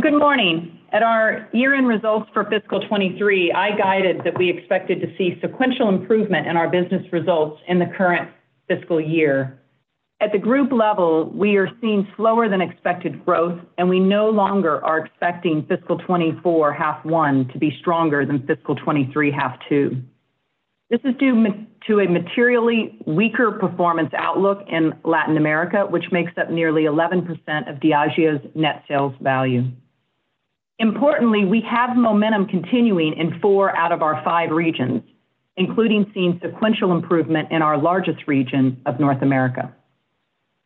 Good morning. At our year-end results for fiscal 2023, I guided that we expected to see sequential improvement in our business results in the current fiscal year. At the group level, we are seeing slower than expected growth, and we no longer are expecting fiscal 2024 half one to be stronger than fiscal 2023, half two. This is due to a materially weaker performance outlook in Latin America, which makes up nearly 11% of Diageo's net sales value. Importantly, we have momentum continuing in four out of our five regions, including seeing sequential improvement in our largest region of North America.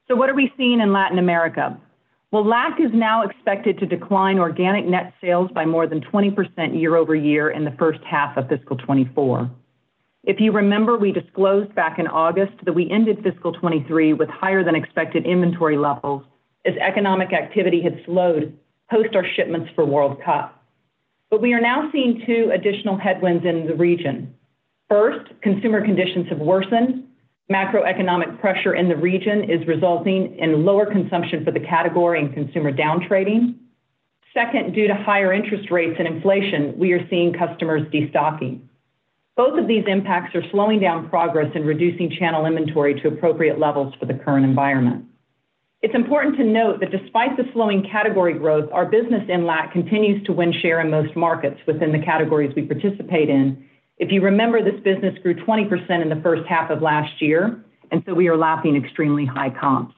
So what are we seeing in Latin America? Well, LAC is now expected to decline organic net sales by more than 20% year-over-year in the first half of fiscal 2024. If you remember, we disclosed back in August that we ended fiscal 2023 with higher than expected inventory levels as economic activity had slowed post our shipments for World Cup. But we are now seeing two additional headwinds in the region. First, consumer conditions have worsened. Macroeconomic pressure in the region is resulting in lower consumption for the category and consumer downtrading. Second, due to higher interest rates and inflation, we are seeing customers destocking. Both of these impacts are slowing down progress in reducing channel inventory to appropriate levels for the current environment. It's important to note that despite the slowing category growth, our business in LAC continues to win share in most markets within the categories we participate in. If you remember, this business grew 20% in the first half of last year, and so we are lapping extremely high comps.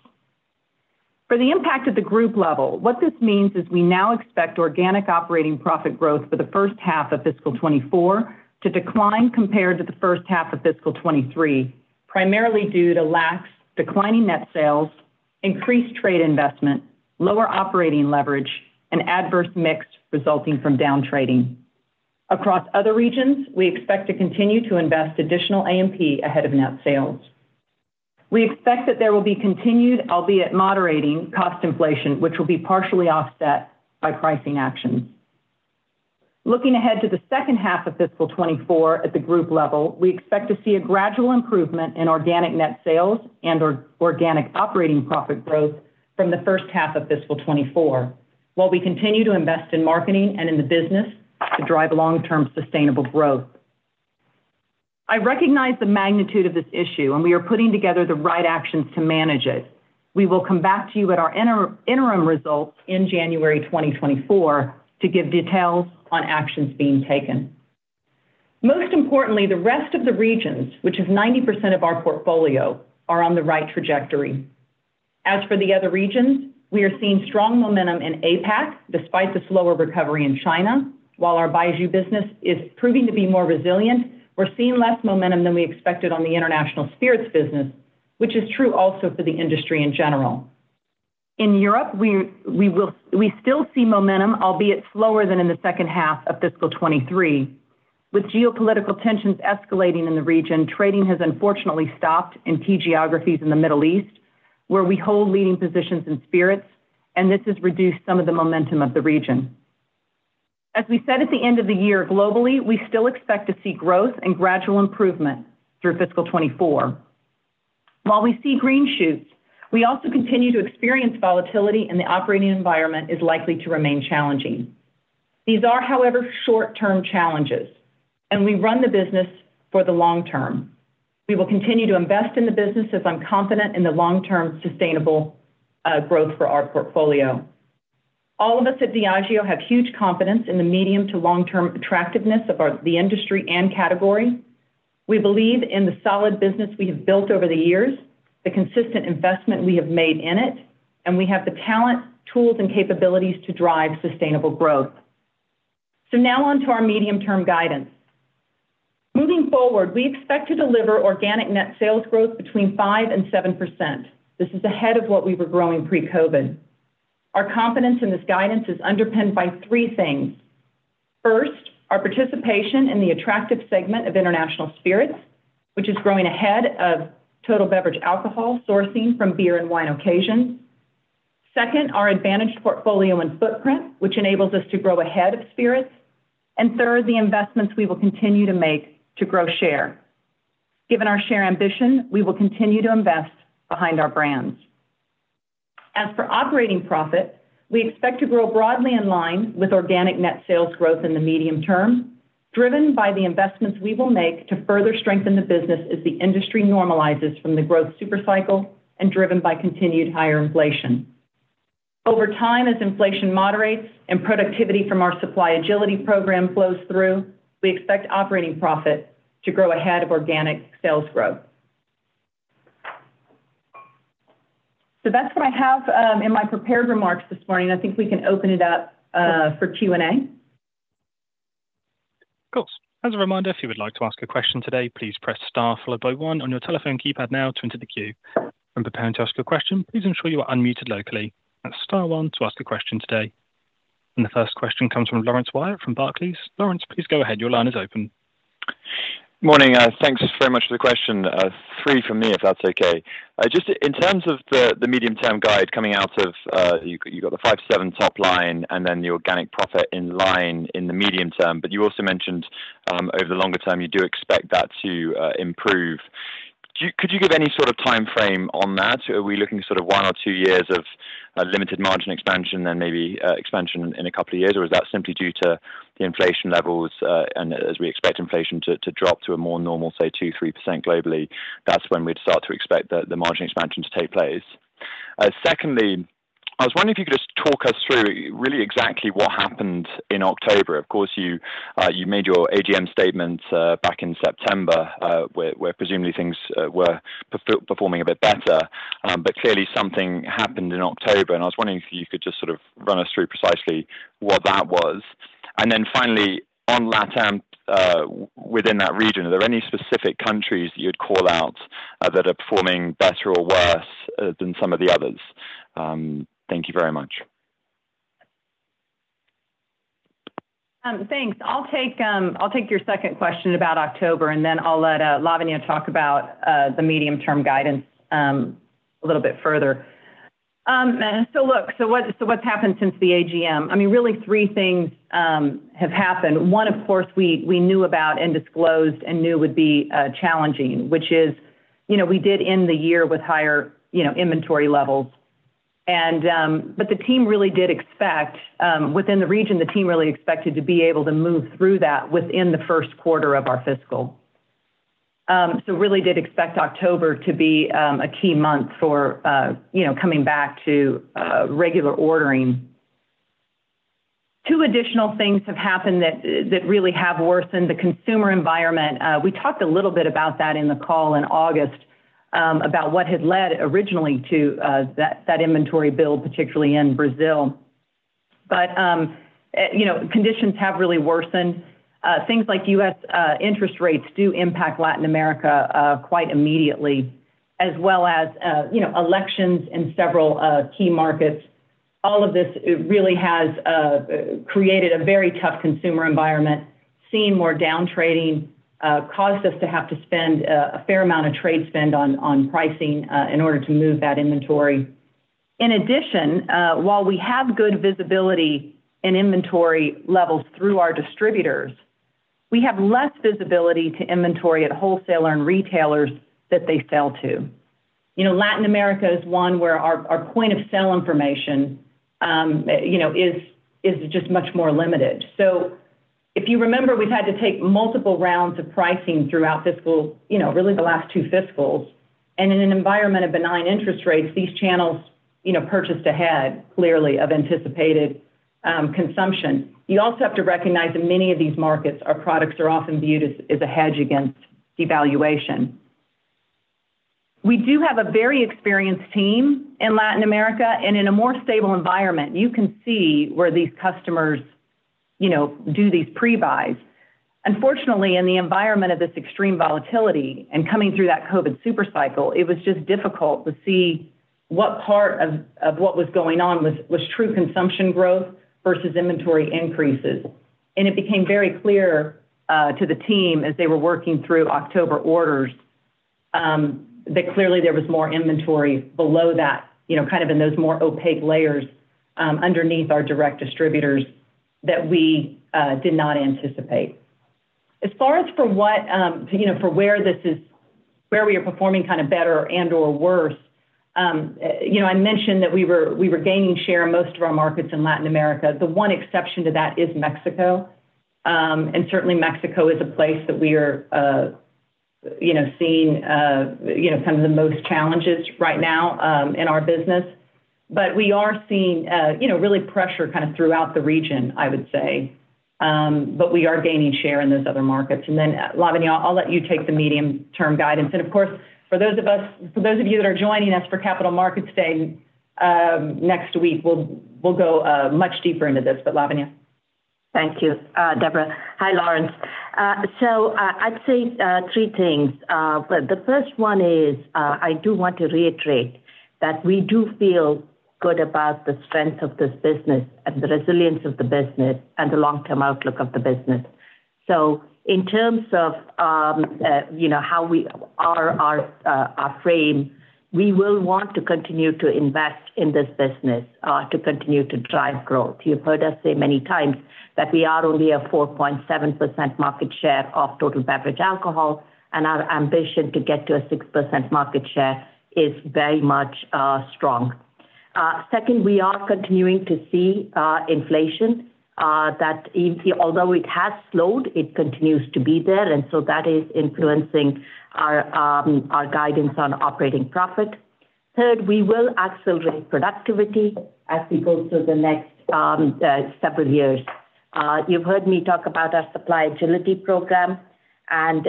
For the impact at the group level, what this means is we now expect organic operating profit growth for the first half of fiscal 2024 to decline compared to the first half of fiscal 2023, primarily due to LAC's declining net sales, increased trade investment, lower operating leverage, and adverse mix resulting from downtrading. Across other regions, we expect to continue to invest additional A&P ahead of net sales. We expect that there will be continued, albeit moderating, cost inflation, which will be partially offset by pricing actions. Looking ahead to the second half of fiscal 2024 at the group level, we expect to see a gradual improvement in organic net sales and organic operating profit growth from the first half of fiscal 2024, while we continue to invest in marketing and in the business to drive long-term sustainable growth. I recognize the magnitude of this issue, and we are putting together the right actions to manage it. We will come back to you at our interim results in January 2024, to give details on actions being taken. Most importantly, the rest of the regions, which is 90% of our portfolio, are on the right trajectory. As for the other regions, we are seeing strong momentum in APAC, despite the slower recovery in China. While our Baijiu business is proving to be more resilient, we're seeing less momentum than we expected on the international spirits business, which is true also for the industry in general. In Europe, we still see momentum, albeit slower than in the second half of fiscal 2023. With geopolitical tensions escalating in the region, trading has unfortunately stopped in key geographies in the Middle East, where we hold leading positions in spirits, and this has reduced some of the momentum of the region. As we said at the end of the year, globally, we still expect to see growth and gradual improvement through fiscal 2024. While we see green shoots, we also continue to experience volatility, and the operating environment is likely to remain challenging. These are, however, short-term challenges, and we run the business for the long term. We will continue to invest in the business, as I'm confident in the long-term sustainable growth for our portfolio. All of us at Diageo have huge confidence in the medium to long-term attractiveness of our industry and category. We believe in the solid business we have built over the years, the consistent investment we have made in it, and we have the talent, tools, and capabilities to drive sustainable growth. So now on to our medium-term guidance. Moving forward, we expect to deliver organic net sales growth between 5% and 7%. This is ahead of what we were growing pre-COVID. Our confidence in this guidance is underpinned by three things. First, our participation in the attractive segment of International Spirits, which is growing ahead of Total Beverage Alcohol, sourcing from Beer and Wine occasions. Second, our advantaged portfolio and footprint, which enables us to grow ahead of Spirits. And third, the investments we will continue to make to grow share. Given our share ambition, we will continue to invest behind our brands. As for operating profit, we expect to grow broadly in line with organic net sales growth in the medium term, driven by the investments we will make to further strengthen the business as the industry normalizes from the growth super cycle and driven by continued higher inflation. Over time, as inflation moderates and productivity from our Supply Agility Program flows through, we expect operating profit to grow ahead of organic sales growth. So that's what I have in my prepared remarks this morning. I think we can open it up for Q&A. Of course. As a reminder, if you would like to ask a question today, please press star followed by one on your telephone keypad now to enter the queue. When preparing to ask your question, please ensure you are unmuted locally. That's star one to ask a question today. And the first question comes from Laurence Whyatt from Barclays. Laurence, please go ahead. Your line is open. Morning. Thanks very much for the question. Three from me, if that's okay. Just in terms of the medium-term guide coming out of, you got the 5%-7% top line and then the organic profit in line in the medium term, but you also mentioned, over the longer term, you do expect that to improve. Could you give any sort of time frame on that? Are we looking sort of one or two years of limited margin expansion and maybe expansion in a couple of years? Or is that simply due to the inflation levels, and as we expect inflation to drop to a more normal, say, 2%-3% globally, that's when we'd start to expect the margin expansion to take place? Secondly, I was wondering if you could just talk us through really exactly what happened in October. Of course, you made your AGM statement back in September, where presumably things were performing a bit better. But clearly something happened in October, and I was wondering if you could just sort of run us through precisely what that was. And then finally, on LATAM, within that region, are there any specific countries that you'd call out, that are performing better or worse, than some of the others? Thank you very much. Thanks. I'll take your second question about October, and then I'll let Lavanya talk about the medium-term guidance a little bit further. So what's happened since the AGM? I mean, really three things have happened. One, of course, we knew about and disclosed and knew would be challenging, which is, you know, we did end the year with higher, you know, inventory levels. But the team really did expect. Within the region, the team really expected to be able to move through that within the first quarter of our fiscal. So really did expect October to be a key month for, you know, coming back to regular ordering. Two additional things have happened that really have worsened the consumer environment. We talked a little bit about that in the call in August about what had led originally to that inventory build, particularly in Brazil. But you know, conditions have really worsened. Things like U.S. interest rates do impact Latin America quite immediately, as well as you know, elections in several key markets. All of this it really has created a very tough consumer environment, seeing more down trading caused us to have to spend a fair amount of trade spend on pricing in order to move that inventory. In addition, while we have good visibility in inventory levels through our distributors, we have less visibility to inventory at wholesaler and retailers that they sell to. You know, Latin America is one where our point of sale information, you know, is just much more limited. So if you remember, we've had to take multiple rounds of pricing throughout fiscal, you know, really the last two fiscals. And in an environment of benign interest rates, these channels, you know, purchased ahead, clearly, of anticipated consumption. You also have to recognize that many of these markets, our products are often viewed as a hedge against devaluation. We do have a very experienced team in Latin America, and in a more stable environment, you can see where these customers, you know, do these pre-buys. Unfortunately, in the environment of this extreme volatility and coming through that COVID super cycle, it was just difficult to see what part of what was going on was true consumption growth versus inventory increases. It became very clear to the team as they were working through October orders that clearly there was more inventory below that, you know, kind of in those more opaque layers underneath our direct distributors that we did not anticipate. As far as for what, you know, for where this is, where we are performing kind of better and/or worse, you know, I mentioned that we were, we were gaining share in most of our markets in Latin America. The one exception to that is Mexico. Certainly Mexico is a place that we are, you know, seeing, you know, kind of the most challenges right now in our business. But we are seeing, you know, really pressure kind of throughout the region, I would say. But we are gaining share in those other markets. And then, Lavanya, I'll let you take the medium-term guidance. And of course, for those of us, for those of you that are joining us for Capital Markets Day, next week, we'll go much deeper into this. But Lavanya? Thank you, Debra. Hi, Laurence. So, I'd say three things. The first one is, I do want to reiterate that we do feel good about the strength of this business and the resilience of the business and the long-term outlook of the business. So in terms of, you know, how we frame, we will want to continue to invest in this business, to continue to drive growth. You've heard us say many times that we are only a 4.7% market share of total beverage alcohol, and our ambition to get to a 6% market share is very much strong. Second, we are continuing to see inflation that although it has slowed, it continues to be there, and so that is influencing our guidance on operating profit. Third, we will accelerate productivity as we go through the next several years. You've heard me talk about our Supply Agility Program and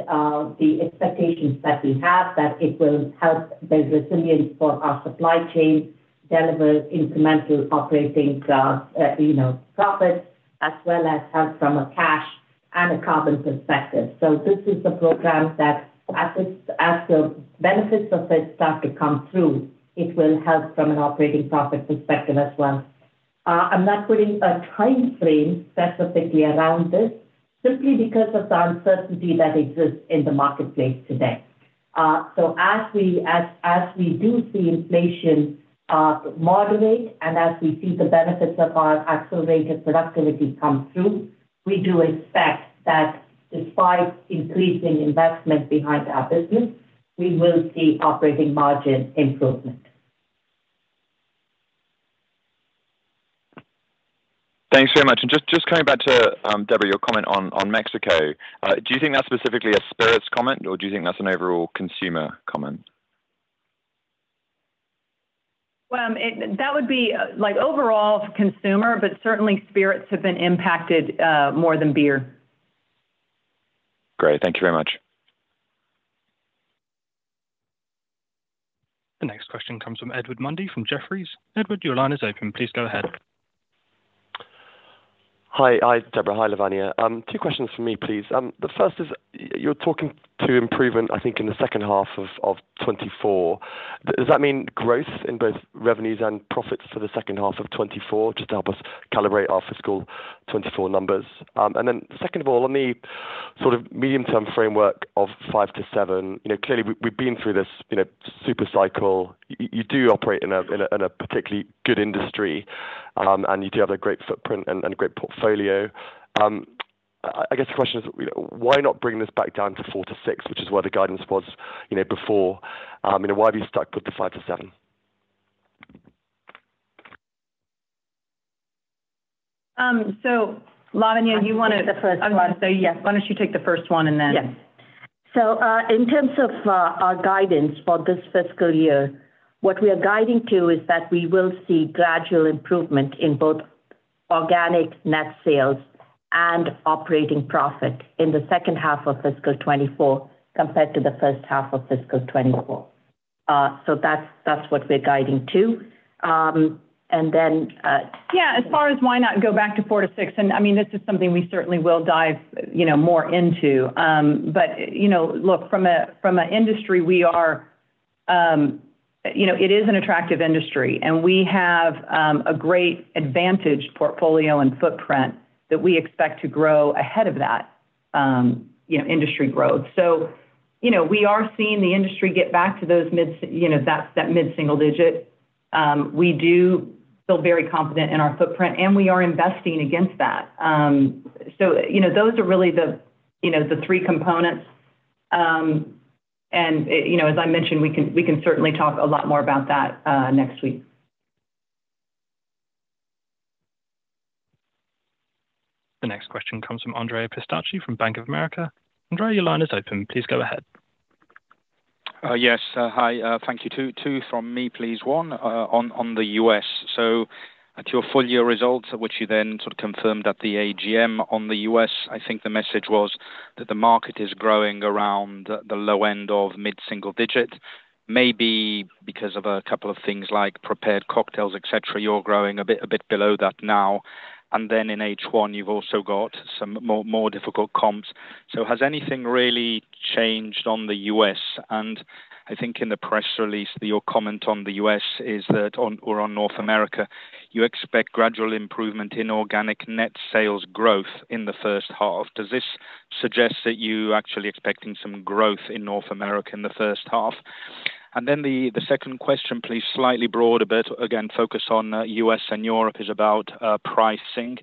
the expectations that we have, that it will help build resilience for our supply chain, deliver incremental operating you know profit, as well as help from a cash and a carbon perspective. So this is a program that as the benefits of this start to come through, it will help from an operating profit perspective as well. I'm not putting a timeframe specifically around this, simply because of the uncertainty that exists in the marketplace today. So as we do see inflation moderate, and as we see the benefits of our accelerated productivity come through, we do expect that despite increasing investment behind our business, we will see operating margin improvement. Thanks very much. And just coming back to, Debra, your comment on Mexico. Do you think that's specifically a spirits comment, or do you think that's an overall consumer comment? Well, that would be like overall consumer, but certainly spirits have been impacted more than beer. Great, thank you very much. The next question comes from Edward Mundy, from Jefferies. Edward, your line is open. Please go ahead. Hi. Hi, Debra. Hi, Lavanya. Two questions for me, please. The first is, you're talking to improvement, I think, in the second half of 2024. Does that mean growth in both revenues and profits for the second half of 2024? Just to help us calibrate our fiscal 2024 numbers. And then second of all, on the sort of medium-term framework of five to seven, you know, clearly we've been through this, you know, super cycle. You do operate in a, in a, in a particularly good industry, and you do have a great footprint and great portfolio. I guess the question is, you know, why not bring this back down to four to six, which is where the guidance was, you know, before? And why have you stuck with the five to seven? So Lavanya, you wanna. Take the first one. So, yes, why don't you take the first one, and then. Yes. So, in terms of our guidance for this fiscal year, what we are guiding to is that we will see gradual improvement in both organic net sales and operating profit in the second half of fiscal 2024, compared to the first half of fiscal 2024. So that's what we're guiding to. And then. Yeah, as far as why not go back to four to six, and, I mean, this is something we certainly will dive, you know, more into. But, you know, look, from an industry we are, you know, it is an attractive industry, and we have a great advantage, portfolio and footprint, that we expect to grow ahead of that, you know, industry growth. So, you know, we are seeing the industry get back to those mid s- you know, that, that mid-single digit. We do feel very confident in our footprint, and we are investing against that. So, you know, those are really the, you know, the three components. And, it, you know, as I mentioned, we can, we can certainly talk a lot more about that next week. The next question comes from Andrea Pistacchi, from Bank of America. Andrea, your line is open. Please go ahead. Yes, hi. Thank you. Two from me, please. One on the U.S. So at your full year results, which you then sort of confirmed at the AGM on the U.S., I think the message was that the market is growing around the low end of mid-single digit. Maybe because of a couple of things like prepared cocktails, et cetera, you're growing a bit below that now. And then in H1, you've also got some more difficult comps. So has anything really changed on the U.S.? And I think in the press release, your comment on the U.S. is that on North America, you expect gradual improvement in organic net sales growth in the first half. Does this suggest that you're actually expecting some growth in North America in the first half? And then the second question, please, slightly broader, but again, focus on U.S. and Europe, is about pricing.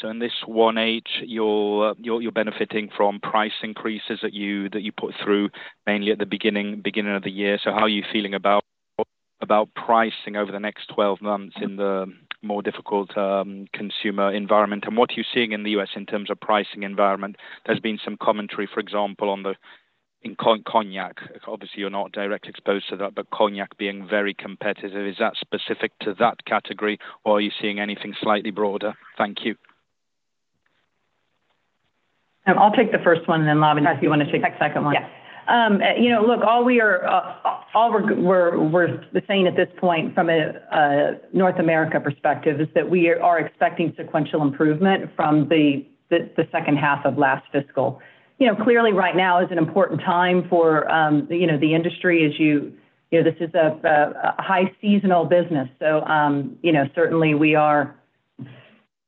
So in this 1H, you're benefiting from price increases that you put through, mainly at the beginning of the year. So how are you feeling about pricing over the next 12 months in the more difficult consumer environment? And what are you seeing in the U.S. in terms of pricing environment? There's been some commentary, for example, on the in Cognac. Obviously, you're not directly exposed to that, but Cognac being very competitive, is that specific to that category, or are you seeing anything slightly broader? Thank you. I'll take the first one, and then, Lavanya, if you wanna take the second one. Yes. You know, look, all we're saying at this point from a North America perspective is that we are expecting sequential improvement from the second half of last fiscal. You know, clearly, right now is an important time for you know the industry as you. You know, this is a high seasonal business, so you know, certainly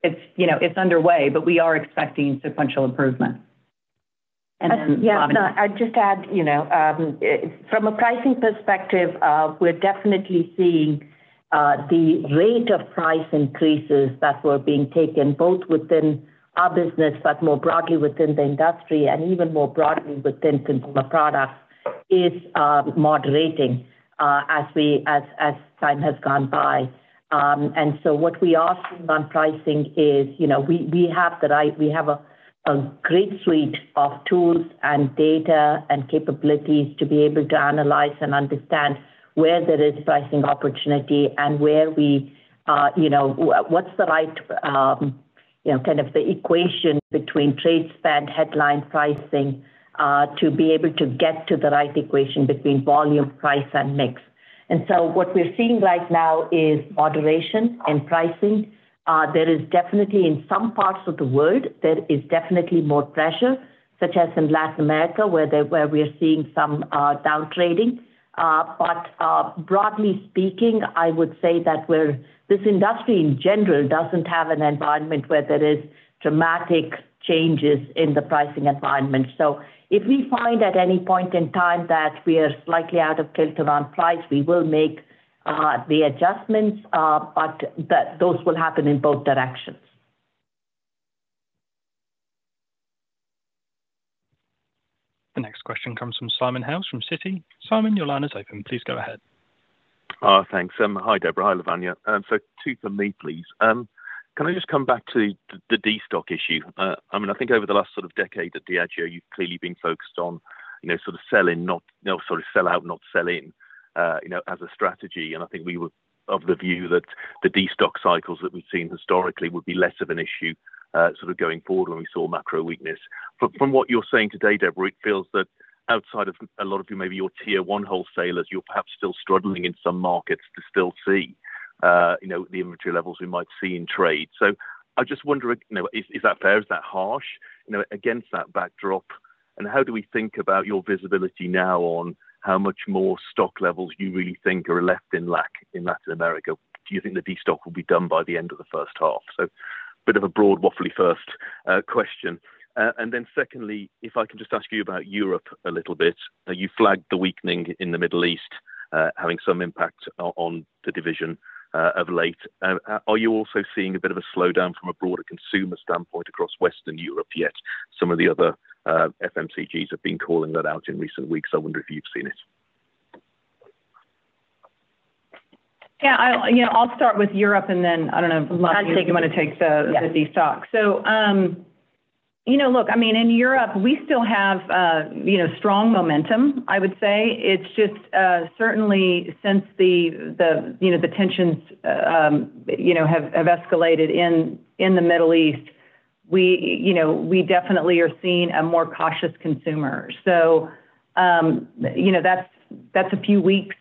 it's underway, but we are expecting sequential improvement. And then. Yeah. I'd just add, you know, from a pricing perspective, we're definitely seeing the rate of price increases that were being taken, both within our business, but more broadly within the industry, and even more broadly within consumer products, is moderating, as time has gone by. And so what we are seeing on pricing is, you know, we have the right, we have a great suite of tools and data and capabilities to be able to analyze and understand where there is pricing opportunity and where we, you know, what's the right, you know, kind of the equation between trade spend, headline pricing, to be able to get to the right equation between volume, price, and mix. And so what we're seeing right now is moderation in pricing. There is definitely, in some parts of the world, there is definitely more pressure, such as in Latin America, where we are seeing some down trading. But broadly speaking, I would say that this industry in general doesn't have an environment where there is dramatic changes in the pricing environment. So if we find at any point in time that we are slightly out of kilter on price, we will make the adjustments, but those will happen in both directions. Question comes from Simon Hales, from Citi. Simon, your line is open. Please go ahead. Thanks. Hi, Debra. Hi, Lavanya. So two for me, please. Can I just come back to the destock issue? I mean, I think over the last sort of decade at Diageo, you've clearly been focused on, you know, sort of sell out, not sell in, you know, as a strategy. And I think we were of the view that the destock cycles that we've seen historically would be less of an issue, sort of going forward when we saw macro weakness. But from what you're saying today, Debra, it feels that outside of a lot of your maybe your Tier 1 wholesalers, you're perhaps still struggling in some markets to still see, you know, the inventory levels we might see in trade. So I just wonder, you know, is that fair? Is that harsh, you know, against that backdrop? And how do we think about your visibility now on how much more stock levels you really think are left in LAC in Latin America? Do you think the destock will be done by the end of the first half? So a bit of a broad, waffly first question. And then secondly, if I can just ask you about Europe a little bit. You flagged the weakening in the Middle East having some impact on the division of late. Are you also seeing a bit of a slowdown from a broader consumer standpoint across Western Europe yet? Some of the other FMCGs have been calling that out in recent weeks. I wonder if you've seen it. Yeah, I'll, you know, I'll start with Europe, and then, I don't know, Lavanya. I think. If you want to take the destock. Yeah. So, you know, look, I mean, in Europe, we still have, you know, strong momentum, I would say. It's just, certainly since the, you know, the tensions, you know, have escalated in the Middle East, we, you know, we definitely are seeing a more cautious consumer. So, you know, that's a few weeks.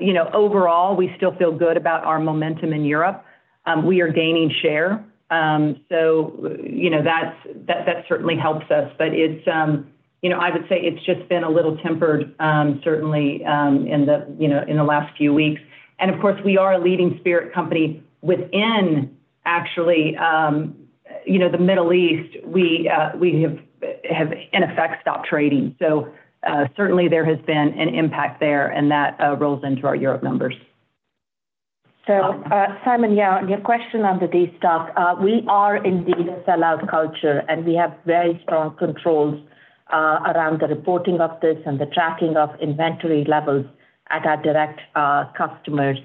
You know, overall, we still feel good about our momentum in Europe. We are gaining share, so, you know, that certainly helps us. But it's, you know, I would say it's just been a little tempered, certainly, in the, you know, in the last few weeks. And of course, we are a leading spirit company within actually, you know, the Middle East. We, we have, in effect, stopped trading. So, certainly there has been an impact there, and that rolls into our Europe numbers. So, Simon, yeah, your question on the destock. We are indeed a sellout culture, and we have very strong controls around the reporting of this and the tracking of inventory levels at our direct customers.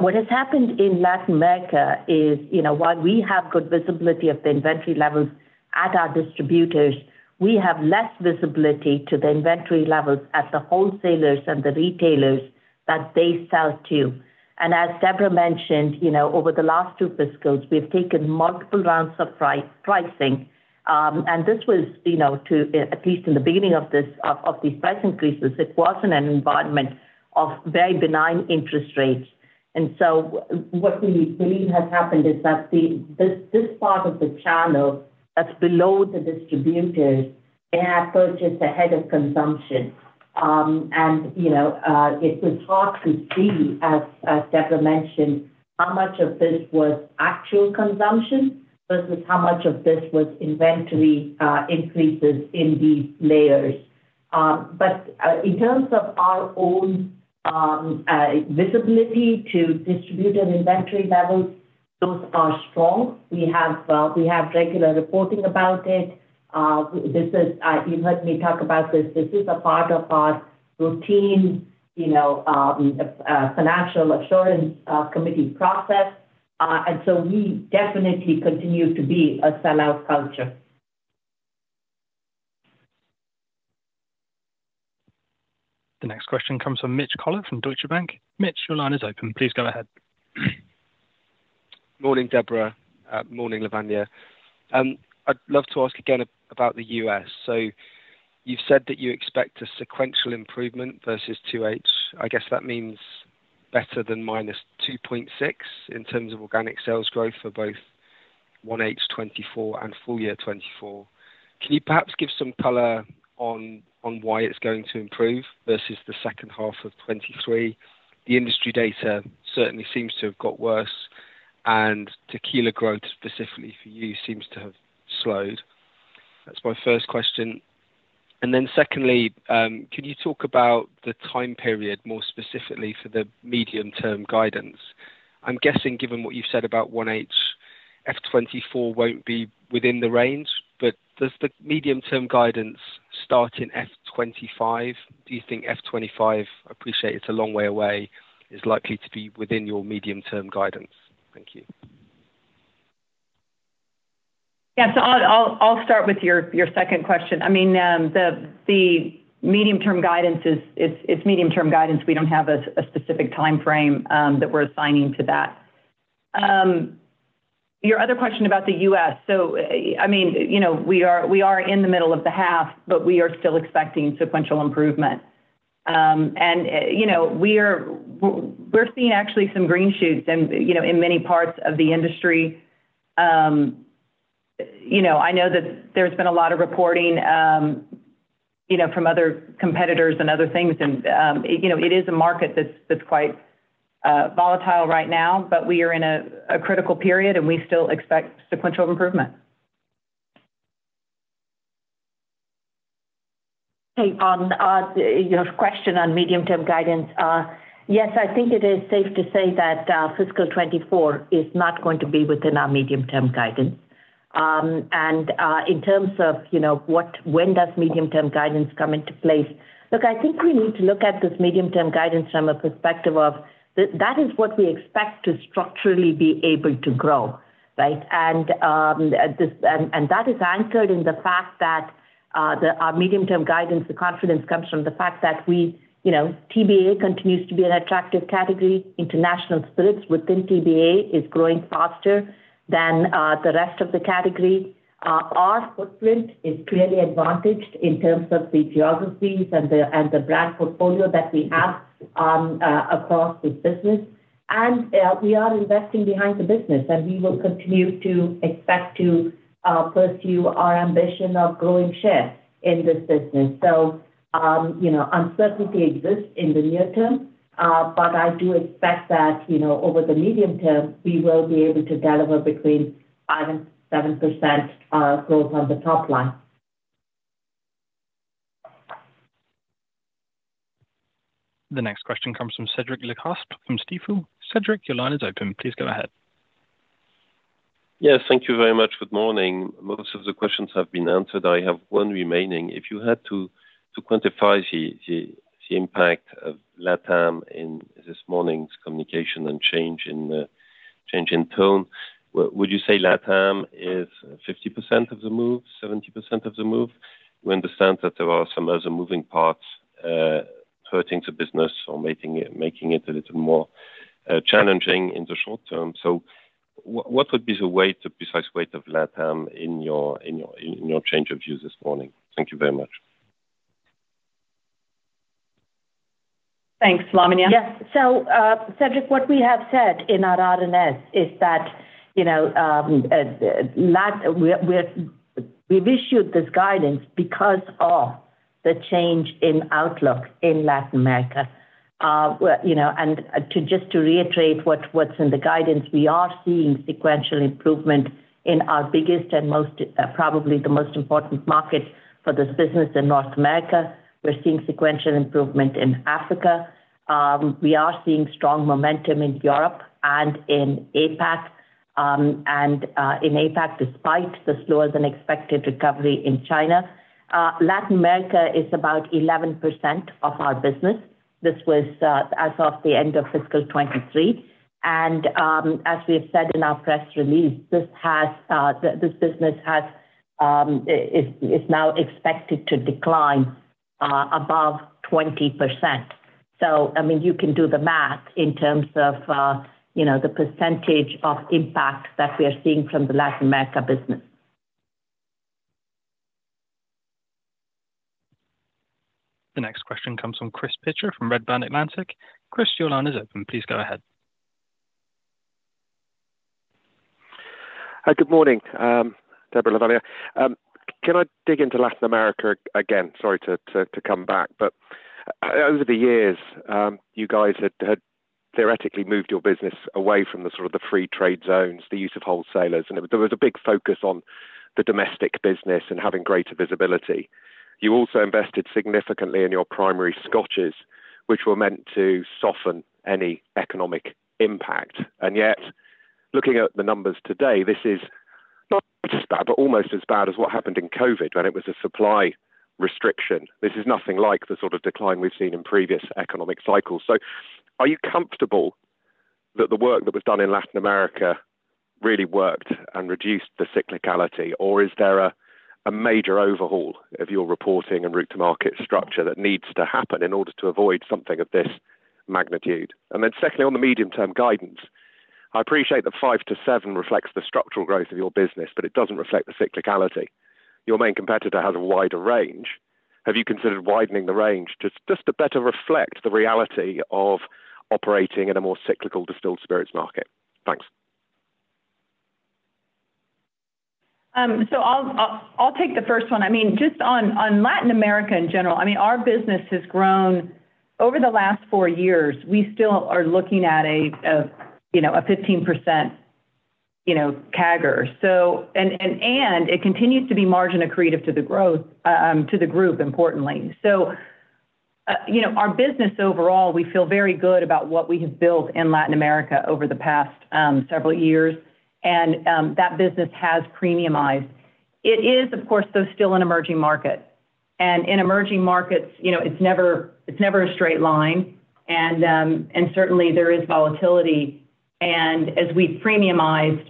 What has happened in Latin America is, you know, while we have good visibility of the inventory levels at our distributors, we have less visibility to the inventory levels at the wholesalers and the retailers that they sell to. And as Debra mentioned, you know, over the last two fiscals, we've taken multiple rounds of pricing, and this was, you know, at least in the beginning of these price increases, it was in an environment of very benign interest rates. What we believe has happened is that this part of the channel that's below the distributors, they have purchased ahead of consumption. You know, it is hard to see, as Debra mentioned, how much of this was actual consumption versus how much of this was inventory increases in these layers. But in terms of our own visibility to distributor inventory levels, those are strong. We have regular reporting about it. This is, you've heard me talk about this. This is a part of our routine, you know, financial assurance committee process, and so we definitely continue to be a sellout culture. The next question comes from Mitch Collett, from Deutsche Bank. Mitch, your line is open. Please go ahead. Morning, Debra. Morning, Lavanya. I'd love to ask again about the US. So you've said that you expect a sequential improvement versus 2H. I guess that means better than -2.6 in terms of organic sales growth for both 1H 2024 and full year 2024. Can you perhaps give some color on why it's going to improve versus the second half of 2023? The industry data certainly seems to have got worse, and Tequila growth, specifically for you, seems to have slowed. That's my first question. And then secondly, can you talk about the time period, more specifically for the medium-term guidance? I'm guessing, given what you've said about 1H, FY 2024 won't be within the range, but does the medium-term guidance start in FY 2025? Do you think FY 2025, appreciate it's a long way away, is likely to be within your medium-term guidance? Thank you. Yeah. So I'll start with your second question. I mean, the medium-term guidance is, it's medium-term guidance. We don't have a specific time frame that we're assigning to that. Your other question about the U.S. So, I mean, you know, we are in the middle of the half, but we are still expecting sequential improvement. And, you know, we're seeing actually some green shoots and, you know, in many parts of the industry. You know, I know that there's been a lot of reporting, you know, from other competitors and other things, and, you know, it is a market that's quite volatile right now, but we are in a critical period, and we still expect sequential improvement. Hey, on your question on medium-term guidance, yes, I think it is safe to say that fiscal 2024 is not going to be within our medium-term guidance. And in terms of, you know, when does medium-term guidance come into place? Look, I think we need to look at this medium-term guidance from a perspective of that is what we expect to structurally be able to grow, right? And this, and that is anchored in the fact that our medium-term guidance, the confidence comes from the fact that we, you know, TBA continues to be an attractive category. International spirits within TBA is growing faster than the rest of the category. Our footprint is clearly advantaged in terms of the geographies and the brand portfolio that we have across this business. We are investing behind the business, and we will continue to expect to pursue our ambition of growing share in this business. You know, uncertainty exists in the near term, but I do expect that, you know, over the medium term, we will be able to deliver between 5% and 7% growth on the top line. The next question comes from Cédric Lecasble from Stifel. Cedric, your line is open. Please go ahead. Yes, thank you very much. Good morning. Most of the questions have been answered. I have one remaining. If you had to quantify the impact of LATAM in this morning's communication and change in tone, would you say LATAM is 50% of the move, 70% of the move? We understand that there are some other moving parts hurting the business or making it a little more challenging in the short term. So what would be the weight, the precise weight of LATAM in your change of view this morning? Thank you very much. Thanks. Lavanya? Yes. So, Cédric, what we have said in our RNS is that, you know, We've issued this guidance because of the change in outlook in Latin America. You know, and to just to reiterate what's in the guidance, we are seeing sequential improvement in our biggest and most, probably the most important market for this business in North America. We're seeing sequential improvement in Africa. We are seeing strong momentum in Europe and in APAC, and, in APAC, despite the slower than expected recovery in China. Latin America is about 11% of our business. This was, as of the end of fiscal 2023. As we have said in our press release, this business has, it's now expected to decline, above 20%. I mean, you can do the math in terms of, you know, the percentage of impact that we are seeing from the Latin America business. The next question comes from Chris Pitcher, from Redburn Atlantic. Chris, your line is open. Please go ahead. Hi, good morning, Debra, Lavanya. Can I dig into Latin America again? Sorry to come back, but over the years, you guys had theoretically moved your business away from the sort of free trade zones, the use of wholesalers, and there was a big focus on the domestic business and having greater visibility. You also invested significantly in your primary scotches, which were meant to soften any economic impact. And yet, looking at the numbers today, this is not just bad, but almost as bad as what happened in COVID, when it was a supply restriction. This is nothing like the sort of decline we've seen in previous economic cycles. So are you comfortable that the work that was done in Latin America really worked and reduced the cyclicality? Or is there a major overhaul of your reporting and route-to-market structure that needs to happen in order to avoid something of this magnitude? And then secondly, on the medium-term guidance, I appreciate that five to seven reflects the structural growth of your business, but it doesn't reflect the cyclicality. Your main competitor has a wider range. Have you considered widening the range just to better reflect the reality of operating in a more cyclical distilled spirits market? Thanks. So I'll take the first one. I mean, just on Latin America in general, I mean, our business has grown. Over the last four years, we still are looking at a you know a 15% CAGR. So, and it continues to be margin accretive to the growth, to the group, importantly. So, you know, our business overall, we feel very good about what we have built in Latin America over the past several years, and that business has premiumized. It is, of course, though, still an emerging market. And in emerging markets, you know, it's never, it's never a straight line, and certainly, there is volatility. And as we've premiumized,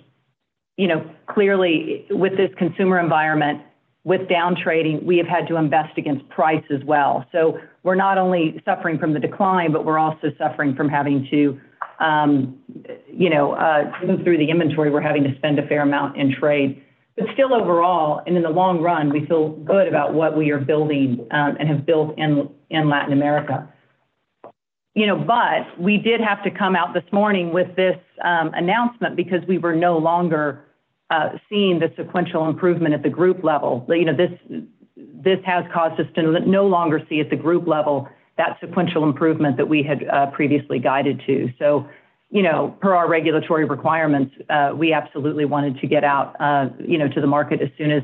you know, clearly with this consumer environment, with down trading, we have had to invest against price as well. So we're not only suffering from the decline, but we're also suffering from having to, you know, move through the inventory. We're having to spend a fair amount in trade. But still overall, and in the long run, we feel good about what we are building, and have built in Latin America. You know, but we did have to come out this morning with this announcement because we were no longer seeing the sequential improvement at the group level. You know, this has caused us to no longer see at the group level that sequential improvement that we had previously guided to. So, you know, per our regulatory requirements, we absolutely wanted to get out, you know, to the market as soon as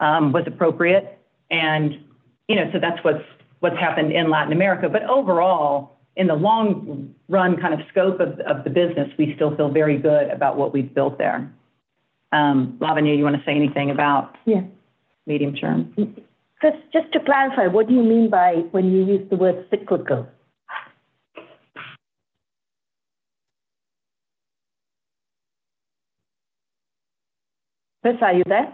was appropriate. And, you know, so that's what's happened in Latin America. Overall, in the long run, kind of scope of the business, we still feel very good about what we've built there. Lavanya, you want to say anything about. Yes. Medium term? Chris, just to clarify, what do you mean by when you use the word cyclical? Chris, are you there?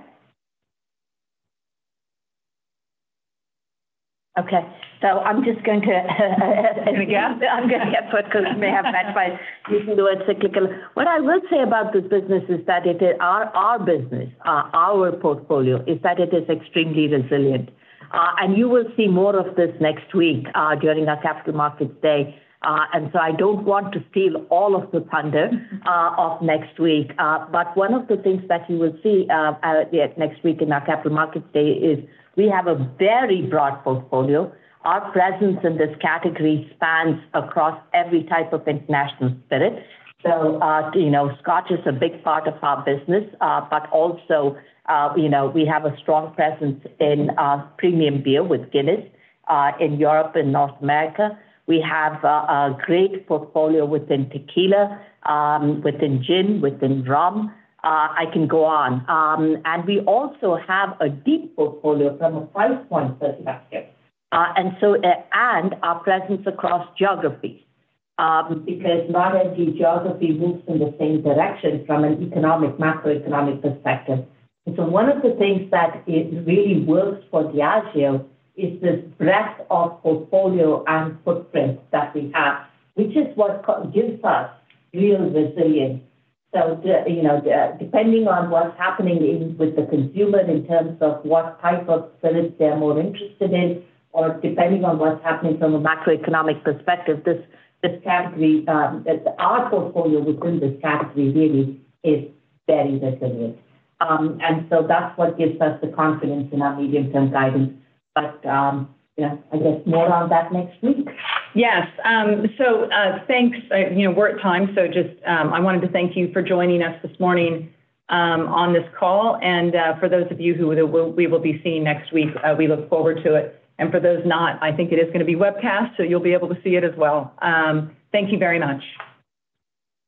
Okay, so I'm just going to, I'm gonna get put, because you may have been using the word cyclical. What I will say about this business is that it is our, our business, our portfolio, is that it is extremely resilient. And you will see more of this next week, during our Capital Markets Day. And so I don't want to steal all of the thunder of next week. But one of the things that you will see next week in our Capital Markets Day is we have a very broad portfolio. Our presence in this category spans across every type of international spirit. So, you know, Scotch is a big part of our business, but also, you know, we have a strong presence in premium beer with Guinness in Europe and North America. We have a great portfolio within Tequila, within Gin, within Rum. I can go on. And we also have a deep portfolio from a price point perspective. And so our presence across geographies, because not every geography moves in the same direction from an economic, macroeconomic perspective. And so one of the things that it really works for Diageo is this breadth of portfolio and footprint that we have, which is what gives us real resilience. You know, depending on what's happening with the consumer, in terms of what type of service they're more interested in, or depending on what's happening from a macroeconomic perspective, this, this category, our portfolio within this category really is very resilient. And so that's what gives us the confidence in our medium-term guidance. Yeah, I guess more on that next week. Yes, thanks. You know, we're at time, so just I wanted to thank you for joining us this morning on this call. For those of you who we will be seeing next week, we look forward to it. And for those not, I think it is gonna be webcast, so you'll be able to see it as well. Thank you very much.